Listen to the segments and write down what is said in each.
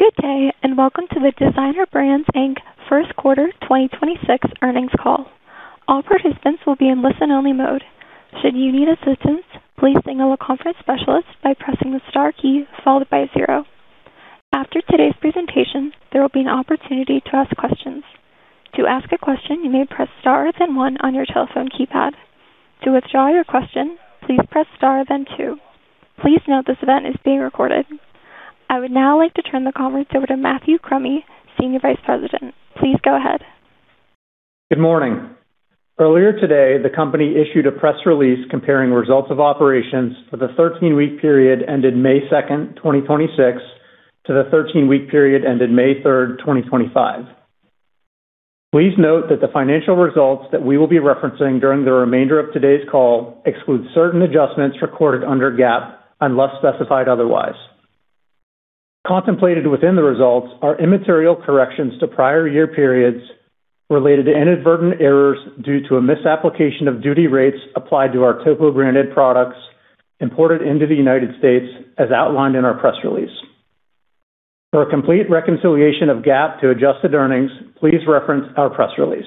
Good day, and welcome to the Designer Brands Inc first quarter 2026 earnings call. All participants will be in listen-only mode. Should you need assistance, please signal a conference specialist by pressing the star key followed by zero. After today's presentation, there will be an opportunity to ask questions. To ask a question, you may press star then one on your telephone keypad. To withdraw your question, please press star then two. Please note this event is being recorded. I would now like to turn the conference over to Matthew Crummy, Senior Vice President. Please go ahead. Good morning. Earlier today, the company issued a press release comparing results of operations for the 13-week period ended May 2nd, 2026, to the 13-week period ended May 3rd, 2025. Please note that the financial results that we will be referencing during the remainder of today's call exclude certain adjustments recorded under GAAP, unless specified otherwise. Contemplated within the results are immaterial corrections to prior year periods related to inadvertent errors due to a misapplication of duty rates applied to our Topo branded products imported into the United States, as outlined in our press release. For a complete reconciliation of GAAP to adjusted earnings, please reference our press release.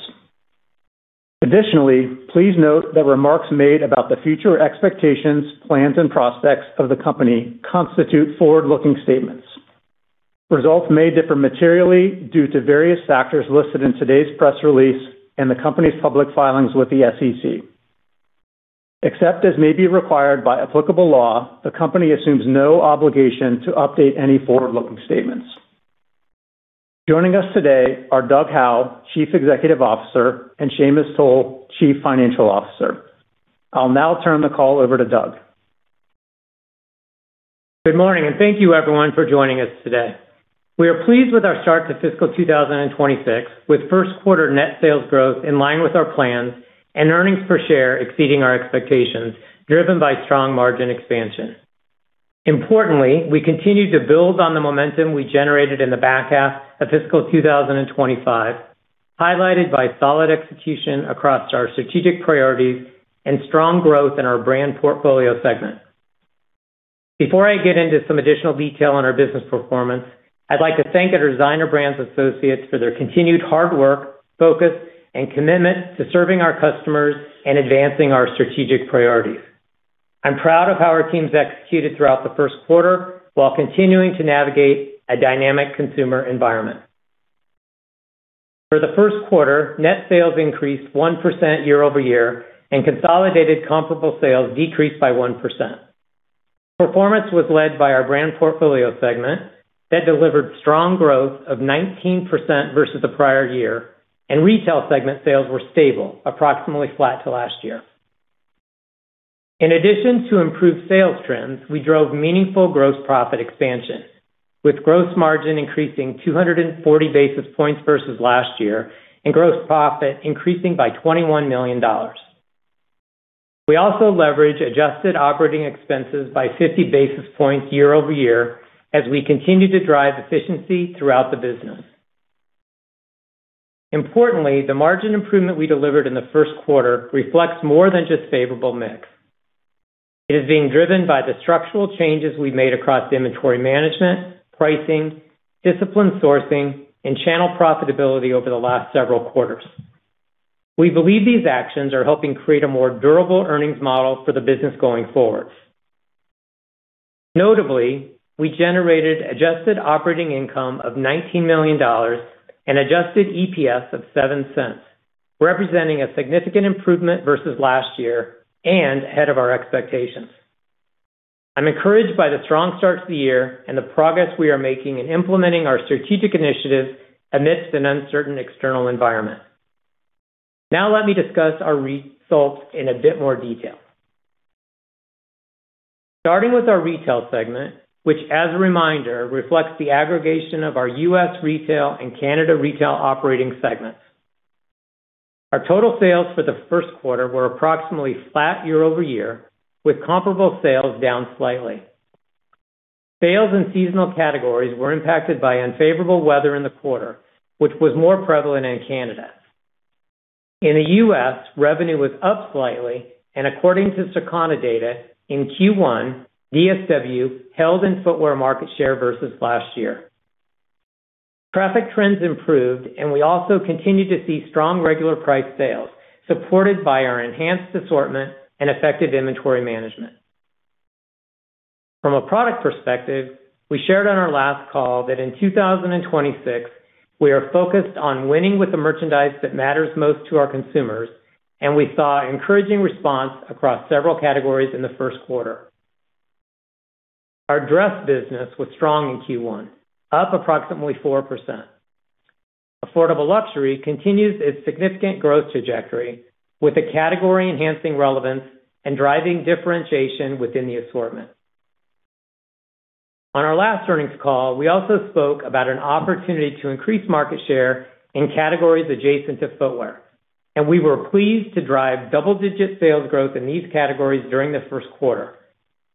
Additionally, please note that remarks made about the future expectations, plans, and prospects of the company constitute forward-looking statements. Results may differ materially due to various factors listed in today's press release and the company's public filings with the SEC. Except as may be required by applicable law, the company assumes no obligation to update any forward-looking statements. Joining us today are Doug Howe, Chief Executive Officer, and Sheamus Toal, Chief Financial Officer. I'll now turn the call over to Doug. Good morning, and thank you everyone for joining us today. We are pleased with our start to fiscal 2026, with first quarter net sales growth in line with our plans, and earnings per share exceeding our expectations, driven by strong margin expansion. Importantly, we continue to build on the momentum we generated in the back half of fiscal 2025, highlighted by solid execution across our strategic priorities and strong growth in our Brand Portfolio segment. Before I get into some additional detail on our business performance, I'd like to thank our Designer Brands associates for their continued hard work, focus, and commitment to serving our customers and advancing our strategic priorities. I'm proud of how our team's executed throughout the first quarter, while continuing to navigate a dynamic consumer environment. For the first quarter, net sales increased 1% year-over-year, and consolidated comparable sales decreased by 1%. Performance was led by our Brand Portfolio segment that delivered strong growth of 19% versus the prior year, and Retail segment sales were stable, approximately flat to last year. In addition to improved sales trends, we drove meaningful gross profit expansion, with gross margin increasing 240 basis points versus last year and gross profit increasing by $21 million. We also leveraged adjusted operating expenses by 50 basis points year-over-year as we continue to drive efficiency throughout the business. Importantly, the margin improvement we delivered in the first quarter reflects more than just favorable mix. It is being driven by the structural changes we've made across inventory management, pricing, discipline sourcing, and channel profitability over the last several quarters. We believe these actions are helping create a more durable earnings model for the business going forward. Notably, we generated adjusted operating income of $19 million and adjusted EPS of $0.07, representing a significant improvement versus last year and ahead of our expectations. I'm encouraged by the strong start to the year and the progress we are making in implementing our strategic initiatives amidst an uncertain external environment. Let me discuss our results in a bit more detail. Starting with our Retail segment, which as a reminder, reflects the aggregation of our U.S. retail and Canada retail operating segments. Our total sales for the first quarter were approximately flat year-over-year, with comparable sales down slightly. Sales in seasonal categories were impacted by unfavorable weather in the quarter, which was more prevalent in Canada. In the U.S., revenue was up slightly, and according to Circana data, in Q1, DSW held in footwear market share versus last year. Traffic trends improved. We also continued to see strong regular price sales, supported by our enhanced assortment and effective inventory management. From a product perspective, we shared on our last call that in 2026, we are focused on winning with the merchandise that matters most to our consumers, and we saw encouraging response across several categories in the first quarter. Our dress business was strong in Q1, up approximately 4%. Affordable luxury continues its significant growth trajectory with the category enhancing relevance and driving differentiation within the assortment. On our last earnings call, we also spoke about an opportunity to increase market share in categories adjacent to footwear. We were pleased to drive double-digit sales growth in these categories during the first quarter,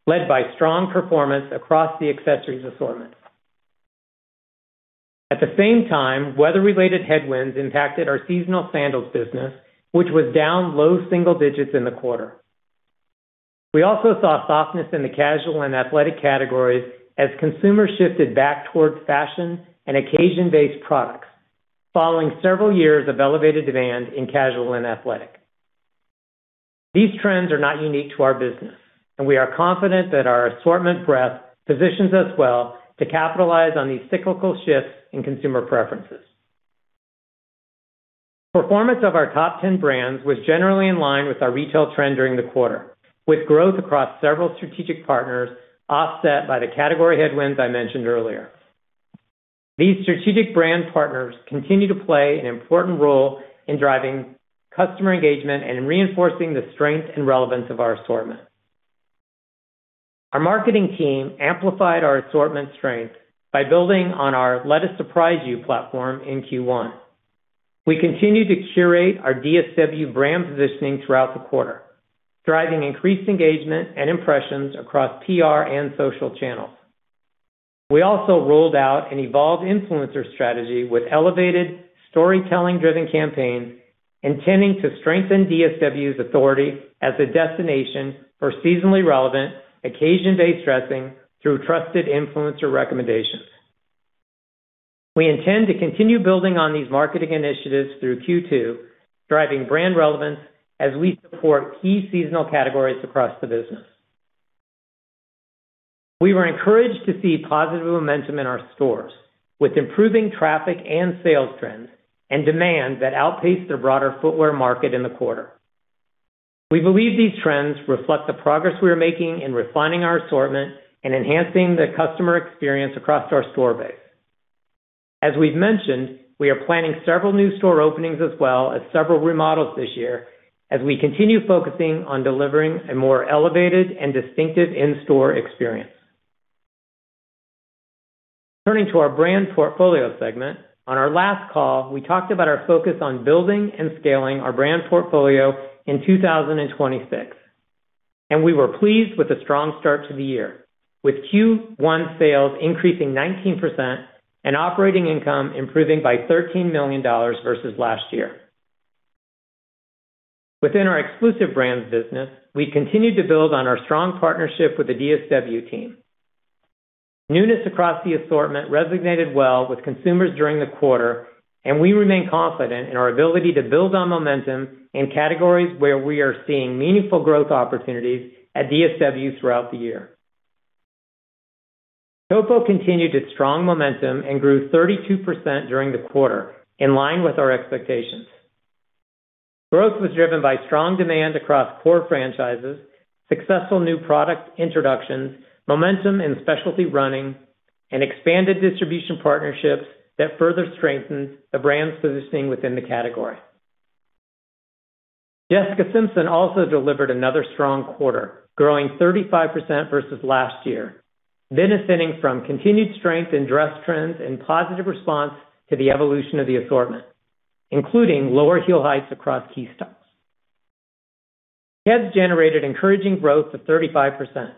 led by strong performance across the accessories assortment. At the same time, weather-related headwinds impacted our seasonal sandals business, which was down low single digits in the quarter. We also saw softness in the casual and athletic categories as consumers shifted back towards fashion and occasion-based products following several years of elevated demand in casual and athletic. These trends are not unique to our business. We are confident that our assortment breadth positions us well to capitalize on these cyclical shifts in consumer preferences. Performance of our top 10 brands was generally in line with our retail trend during the quarter, with growth across several strategic partners offset by the category headwinds I mentioned earlier. These strategic brand partners continue to play an important role in driving customer engagement and in reinforcing the strength and relevance of our assortment. Our marketing team amplified our assortment strength by building on our Let Us Surprise You platform in Q1. We continued to curate our DSW brand positioning throughout the quarter, driving increased engagement and impressions across PR and social channels. We also rolled out an evolved influencer strategy with elevated storytelling-driven campaigns intending to strengthen DSW's authority as a destination for seasonally relevant, occasion-based dressing through trusted influencer recommendations. We intend to continue building on these marketing initiatives through Q2, driving brand relevance as we support key seasonal categories across the business. We were encouraged to see positive momentum in our stores, with improving traffic and sales trends and demand that outpaced the broader footwear market in the quarter. We believe these trends reflect the progress we are making in refining our assortment and enhancing the customer experience across our store base. We've mentioned, we are planning several new store openings as well as several remodels this year, as we continue focusing on delivering a more elevated and distinctive in-store experience. Turning to our Brand Portfolio segment, on our last call, we talked about our focus on building and scaling our Brand Portfolio in 2026. We were pleased with the strong start to the year, with Q1 sales increasing 19% and operating income improving by $13 million versus last year. Within our exclusive brands business, we continued to build on our strong partnership with the DSW team. Newness across the assortment resonated well with consumers during the quarter. We remain confident in our ability to build on momentum in categories where we are seeing meaningful growth opportunities at DSW throughout the year. Topo continued its strong momentum and grew 32% during the quarter, in line with our expectations. Growth was driven by strong demand across core franchises, successful new product introductions, momentum in specialty running, and expanded distribution partnerships that further strengthened the brand's positioning within the category. Jessica Simpson also delivered another strong quarter, growing 35% versus last year, benefiting from continued strength in dress trends and positive response to the evolution of the assortment, including lower heel heights across key styles. Keds generated encouraging growth of 35%,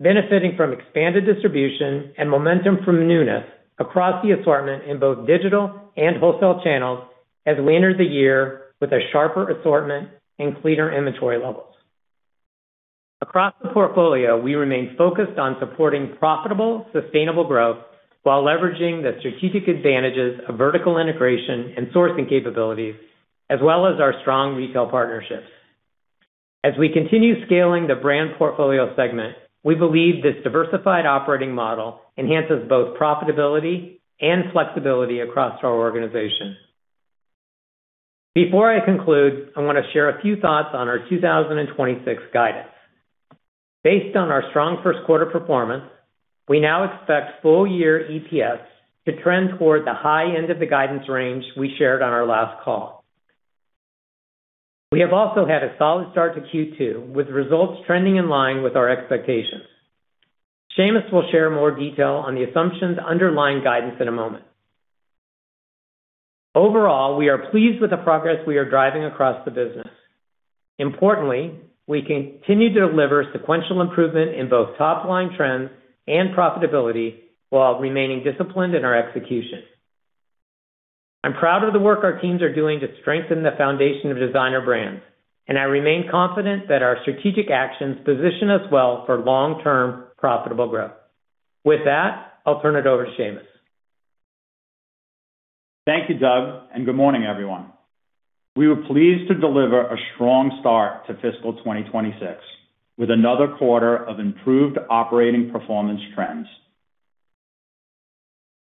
benefiting from expanded distribution and momentum from newness across the assortment in both digital and wholesale channels as we entered the year with a sharper assortment and cleaner inventory levels. Across the portfolio, we remain focused on supporting profitable, sustainable growth while leveraging the strategic advantages of vertical integration and sourcing capabilities, as well as our strong retail partnerships. We continue scaling the Brand Portfolio segment, we believe this diversified operating model enhances both profitability and flexibility across our organization. Before I conclude, I want to share a few thoughts on our 2026 guidance. Based on our strong first quarter performance, we now expect full year EPS to trend toward the high end of the guidance range we shared on our last call. We have also had a solid start to Q2, with results trending in line with our expectations. Sheamus will share more detail on the assumptions underlying guidance in a moment. Overall, we are pleased with the progress we are driving across the business. Importantly, we continue to deliver sequential improvement in both top-line trends and profitability while remaining disciplined in our execution. I'm proud of the work our teams are doing to strengthen the foundation of Designer Brands, I remain confident that our strategic actions position us well for long-term profitable growth. With that, I'll turn it over to Sheamus. Thank you, Doug. Good morning, everyone. We were pleased to deliver a strong start to fiscal 2026, with another quarter of improved operating performance trends.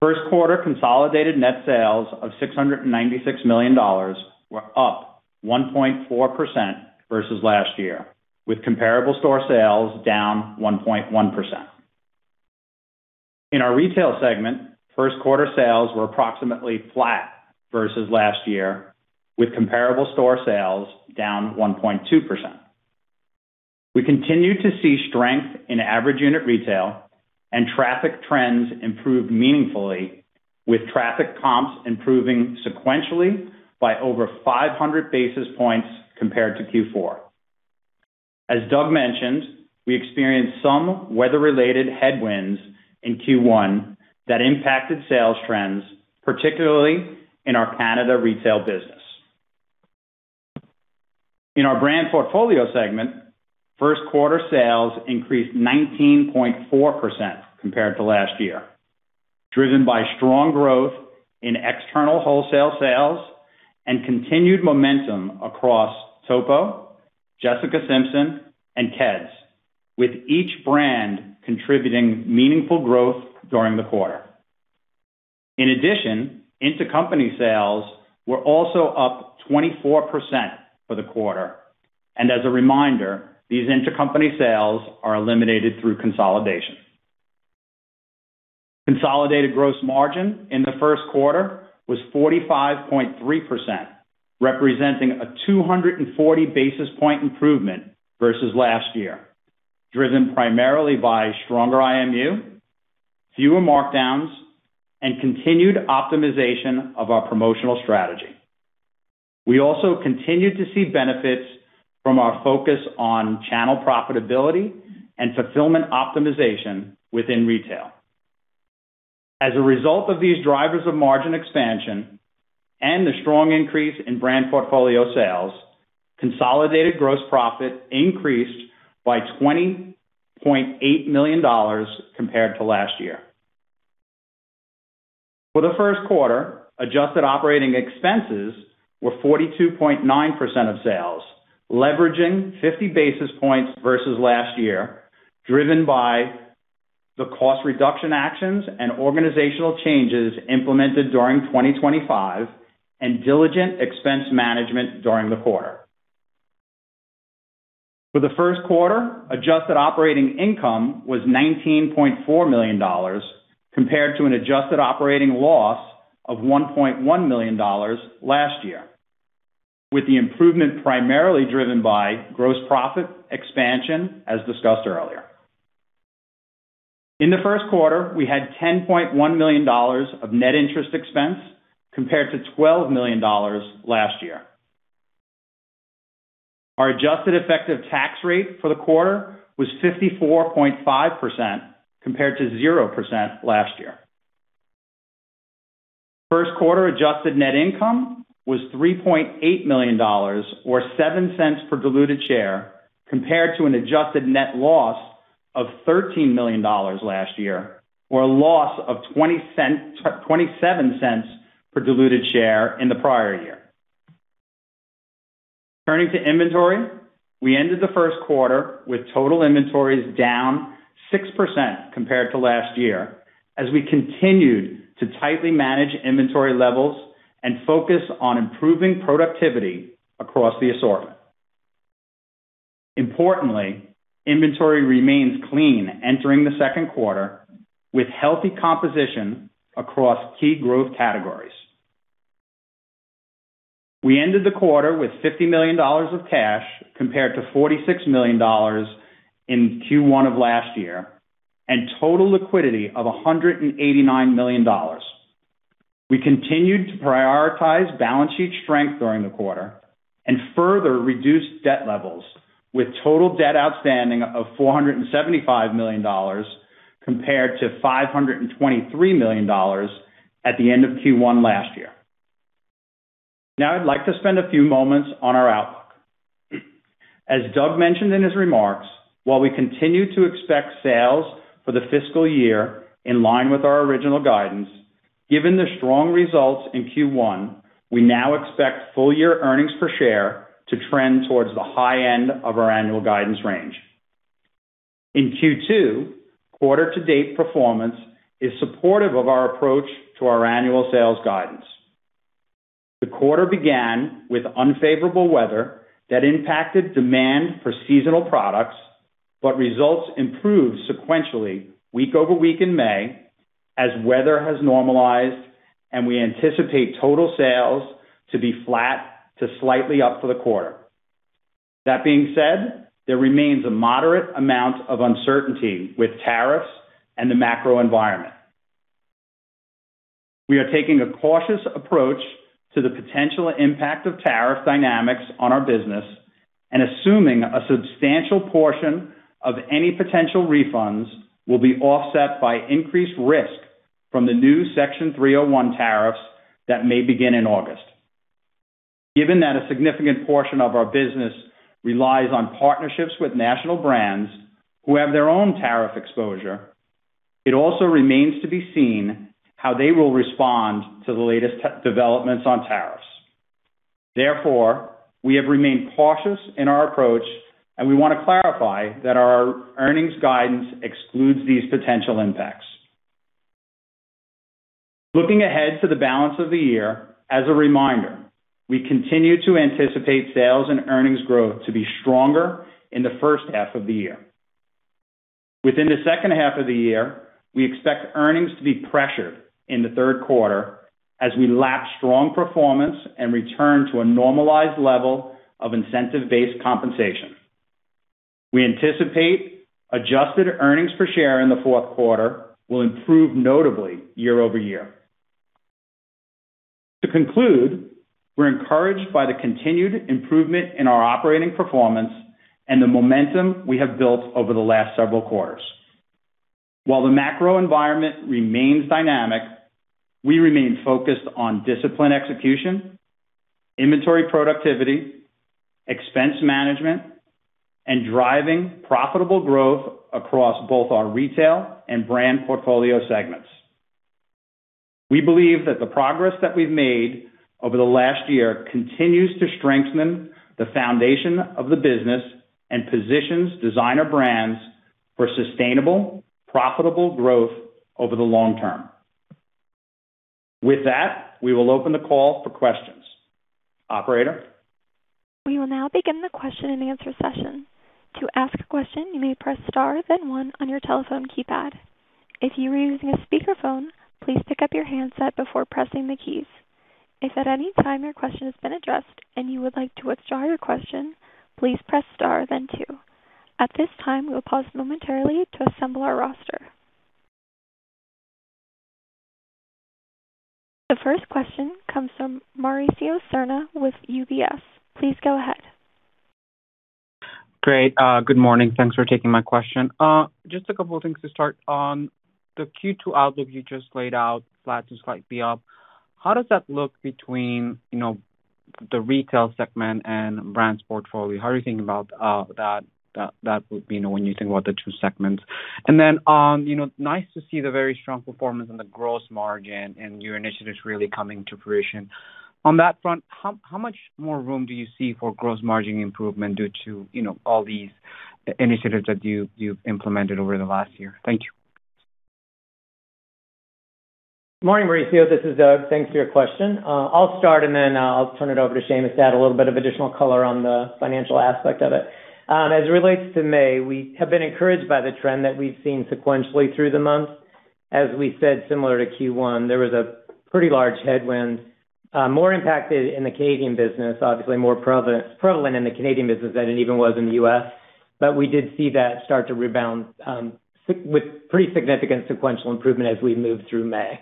First quarter consolidated net sales of $696 million were up 1.4% versus last year, with comparable store sales down 1.1%. In our Retail segment, first quarter sales were approximately flat versus last year, with comparable store sales down 1.2%. We continue to see strength in average unit retail and traffic trends improved meaningfully with traffic comps improving sequentially by over 500 basis points compared to Q4. As Doug mentioned, we experienced some weather-related headwinds in Q1 that impacted sales trends, particularly in our Canada retail business. In our Brand Portfolio segment, first quarter sales increased 19.4% compared to last year, driven by strong growth in external wholesale sales and continued momentum across Topo, Jessica Simpson, and Keds, with each brand contributing meaningful growth during the quarter. In addition, intercompany sales were also up 24% for the quarter. As a reminder, these intercompany sales are eliminated through consolidation. Consolidated gross margin in the first quarter was 45.3%, representing a 240 basis point improvement versus last year, driven primarily by stronger IMU, fewer markdowns, and continued optimization of our promotional strategy. We also continued to see benefits from our focus on channel profitability and fulfillment optimization within retail. As a result of these drivers of margin expansion and the strong increase in Brand Portfolio sales, consolidated gross profit increased by $20.8 million compared to last year. For the first quarter, adjusted operating expenses were 42.9% of sales, leveraging 50 basis points versus last year, driven by the cost reduction actions and organizational changes implemented during 2025 and diligent expense management during the quarter. For the first quarter, adjusted operating income was $19.4 million, compared to an adjusted operating loss of $1.1 million last year, with the improvement primarily driven by gross profit expansion, as discussed earlier. In the first quarter, we had $10.1 million of net interest expense compared to $12 million last year. Our adjusted effective tax rate for the quarter was 54.5%, compared to 0% last year. First quarter adjusted net income was $3.8 million, or $0.07 per diluted share, compared to an adjusted net loss of $13 million last year, or a loss of $0.27 per diluted share in the prior year. Turning to inventory, we ended the first quarter with total inventories down 6% compared to last year as we continued to tightly manage inventory levels and focus on improving productivity across the assortment. Importantly, inventory remains clean entering the second quarter, with healthy composition across key growth categories. We ended the quarter with $50 million of cash compared to $46 million in Q1 of last year, and total liquidity of $189 million. We continued to prioritize balance sheet strength during the quarter and further reduced debt levels, with total debt outstanding of $475 million compared to $523 million at the end of Q1 last year. I'd like to spend a few moments on our outlook. As Doug mentioned in his remarks, while we continue to expect sales for the fiscal year in line with our original guidance, given the strong results in Q1, we now expect full-year earnings per share to trend towards the high end of our annual guidance range. In Q2, quarter-to-date performance is supportive of our approach to our annual sales guidance. The quarter began with unfavorable weather that impacted demand for seasonal products. Results improved sequentially week over week in May as weather has normalized and we anticipate total sales to be flat to slightly up for the quarter. That being said, there remains a moderate amount of uncertainty with tariffs and the macro environment. We are taking a cautious approach to the potential impact of tariff dynamics on our business and assuming a substantial portion of any potential refunds will be offset by increased risk from the new Section 301 tariffs that may begin in August. Given that a significant portion of our business relies on partnerships with national brands who have their own tariff exposure, it also remains to be seen how they will respond to the latest developments on tariffs. We have remained cautious in our approach, and we want to clarify that our earnings guidance excludes these potential impacts. Looking ahead to the balance of the year, as a reminder, we continue to anticipate sales and earnings growth to be stronger in the first half of the year. Within the second half of the year, we expect earnings to be pressured in the third quarter as we lap strong performance and return to a normalized level of incentive-based compensation. We anticipate adjusted earnings per share in the fourth quarter will improve notably year-over-year. To conclude, we're encouraged by the continued improvement in our operating performance and the momentum we have built over the last several quarters. While the macro environment remains dynamic, we remain focused on discipline execution, inventory productivity, expense management, and driving profitable growth across both our Retail and Brand Portfolio segments. We believe that the progress that we've made over the last year continues to strengthen the foundation of the business and positions Designer Brands for sustainable, profitable growth over the long term. With that, we will open the call for questions. Operator? We will now begin the question and answer session. To ask a question, you may press star, then one on your telephone keypad. If you are using a speakerphone, please pick up your handset before pressing the keys. If at any time your question has been addressed and you would like to withdraw your question, please press star then two. At this time, we will pause momentarily to assemble our roster. The first question comes from Mauricio Serna with UBS. Please go ahead. Great. Good morning. Thanks for taking my question. Just a couple of things to start on the Q2 outlook you just laid out, flat to slightly up. How does that look between the Retail segment and Brand Portfolio? How are you thinking about that, when you think about the two segments? Then, nice to see the very strong performance and the gross margin and your initiatives really coming to fruition. On that front, how much more room do you see for gross margin improvement due to all these initiatives that you've implemented over the last year? Thank you. Morning, Mauricio. This is Doug. Thanks for your question. I'll start, and then I'll turn it over to Sheamus to add a little bit of additional color on the financial aspect of it. As it relates to May, we have been encouraged by the trend that we've seen sequentially through the month. As we said, similar to Q1, there was a pretty large headwind, more impacted in the Canadian business, obviously more prevalent in the Canadian business than it even was in the U.S. We did see that start to rebound with pretty significant sequential improvement as we moved through May.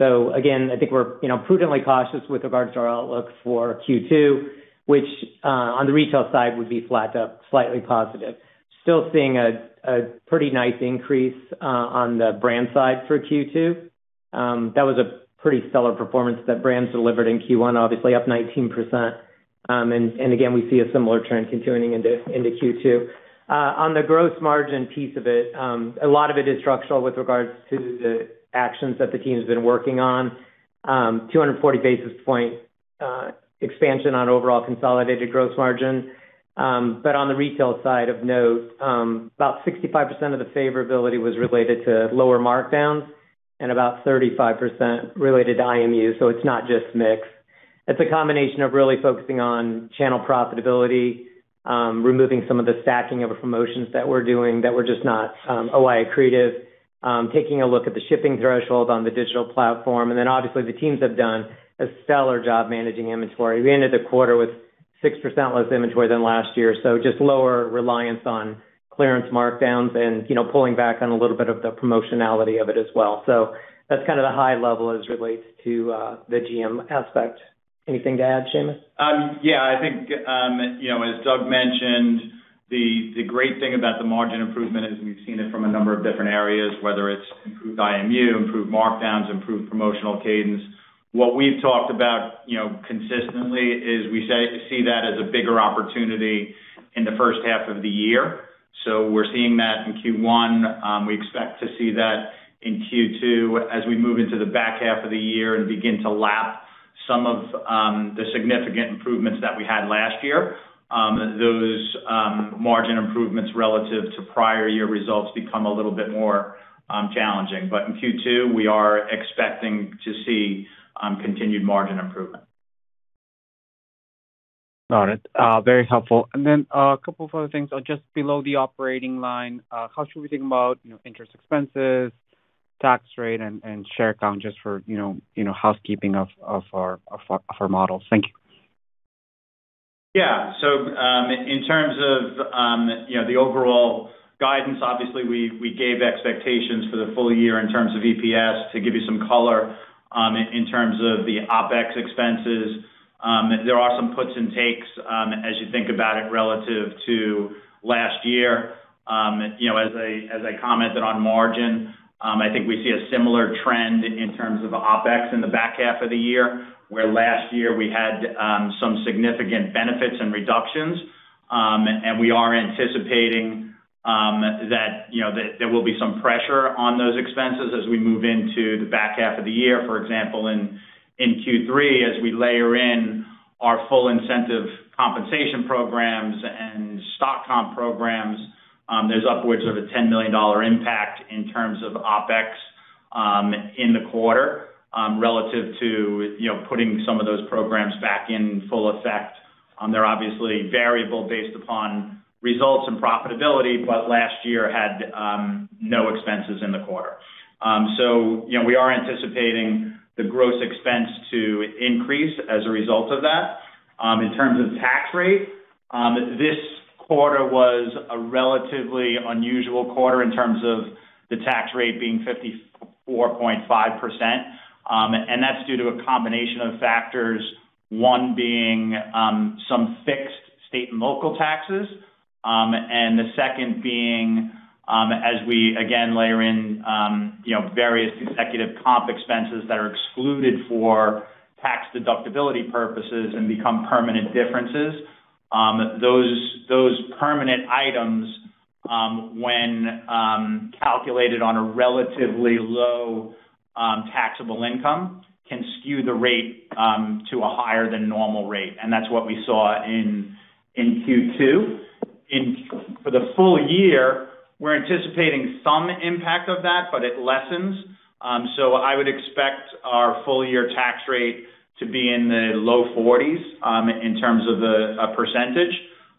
Again, I think we're prudently cautious with regards to our outlook for Q2, which on the retail side would be flat to slightly positive. Still seeing a pretty nice increase on the brand side for Q2. That was a pretty stellar performance that brands delivered in Q1, obviously up 19%. Again, we see a similar trend continuing into Q2. On the gross margin piece of it, a lot of it is structural with regards to the actions that the team has been working on. 240 basis point expansion on overall consolidated gross margin. On the retail side of note, about 65% of the favorability was related to lower markdowns and about 35% related to IMU. It's not just mix. It's a combination of really focusing on channel profitability, removing some of the stacking of promotions that we're doing that were just not OI accretive, taking a look at the shipping threshold on the digital platform. Then obviously the teams have done a stellar job managing inventory. We ended the quarter with 6% less inventory than last year. Just lower reliance on clearance markdowns and pulling back on a little bit of the promotionality of it as well. That's the high level as it relates to the GM aspect. Anything to add, Sheamus? I think, as Doug mentioned, the great thing about the margin improvement is we've seen it from a number of different areas, whether it's improved IMU, improved markdowns, improved promotional cadence. What we've talked about consistently is we see that as a bigger opportunity in the first half of the year. We're seeing that in Q1. We expect to see that in Q2. As we move into the back half of the year and begin to lap some of the significant improvements that we had last year, those margin improvements relative to prior year results become a little bit more challenging. In Q2, we are expecting to see continued margin improvement. Got it. Very helpful. A couple of other things. Just below the operating line, how should we think about interest expenses, tax rate, and share count just for housekeeping of our models? Thank you. In terms of the overall guidance, obviously we gave expectations for the full year in terms of EPS to give you some color in terms of the OpEx expenses. There are some puts and takes as you think about it relative to last year. As I commented on margin, I think we see a similar trend in terms of OpEx in the back half of the year, where last year we had some significant benefits and reductions. We are anticipating that there will be some pressure on those expenses as we move into the back half of the year. For example, in Q3, as we layer in our full incentive compensation programs and stock comp programs, there's upwards of a $10 million impact in terms of OpEx in the quarter relative to putting some of those programs back in full effect. They're obviously variable based upon results and profitability, but last year had no expenses in the quarter. We are anticipating the gross expense to increase as a result of that. In terms of tax rate, this quarter was a relatively unusual quarter in terms of the tax rate being 54.5%, that's due to a combination of factors, one being some fixed state and local taxes, and the second being as we again layer in various executive comp expenses that are excluded for tax deductibility purposes and become permanent differences. Those permanent items, when calculated on a relatively low taxable income, can skew the rate to a higher than normal rate, and that's what we saw in Q2. For the full year, we're anticipating some impact of that, but it lessens. I would expect our full year tax rate to be in the low 40s in terms of the percentage,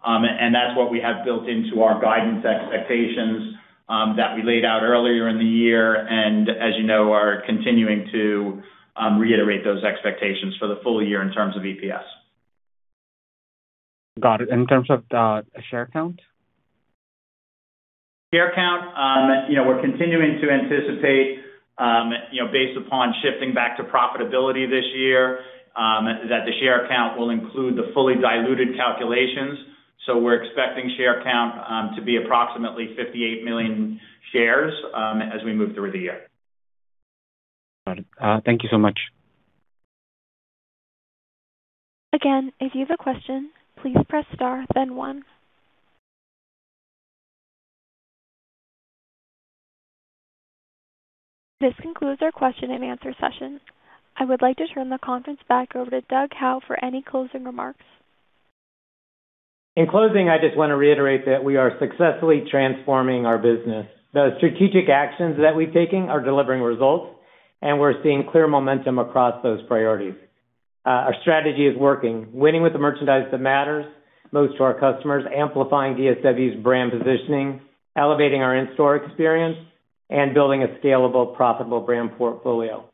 and that's what we have built into our guidance expectations that we laid out earlier in the year, and as you know, are continuing to reiterate those expectations for the full year in terms of EPS. Got it. In terms of the share count? Share count, we're continuing to anticipate based upon shifting back to profitability this year, that the share count will include the fully diluted calculations. We're expecting share count to be approximately 58 million shares as we move through the year. Got it. Thank you so much. Again, if you have a question, please press star then one. This concludes our question and answer session. I would like to turn the conference back over to Doug Howe for any closing remarks. In closing, I just want to reiterate that we are successfully transforming our business. The strategic actions that we've taken are delivering results, and we're seeing clear momentum across those priorities. Our strategy is working, winning with the merchandise that matters most to our customers, amplifying DSW's brand positioning, elevating our in-store experience, and building a scalable, profitable Brand Portfolio.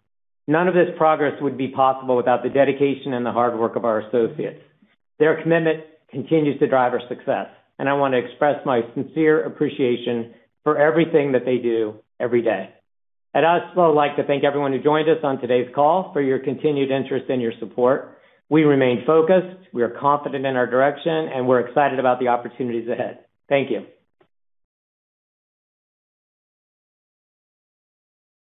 None of this progress would be possible without the dedication and the hard work of our associates. Their commitment continues to drive our success, and I want to express my sincere appreciation for everything that they do every day. I'd also like to thank everyone who joined us on today's call for your continued interest and your support. We remain focused, we are confident in our direction, and we're excited about the opportunities ahead. Thank you.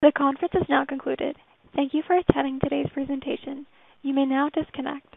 The conference has now concluded. Thank you for attending today's presentation. You may now disconnect.